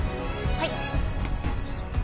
はい。